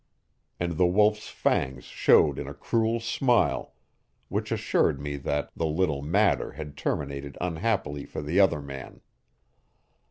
And the Wolf's fangs showed in a cruel smile, which assured me that the "little matter" had terminated unhappily for the other man.